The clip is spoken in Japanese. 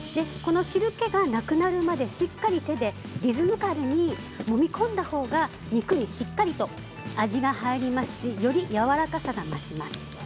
この汁けがなくなるまでしっかり手でリズミカルにもみ込んだほうが肉にしっかりと味が入りますしよりやわらかさが増します。